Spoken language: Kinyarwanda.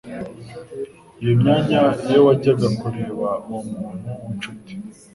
iyo myanya iyo wajyaga kureba uwo muntu w'inshuti